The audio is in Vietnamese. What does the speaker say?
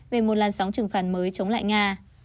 về một làn sóng trừng phạt mới chống lại nga